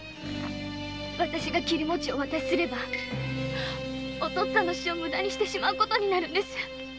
あたしが切餅をお渡しすればお父っつぁんの死を無駄にしてしまうことになるんです。